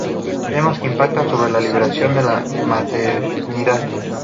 Temas que impactan sobre la liberación de la maternidad.